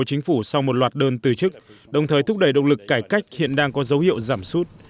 của chính phủ sau một loạt đơn từ chức đồng thời thúc đẩy động lực cải cách hiện đang có dấu hiệu giảm sút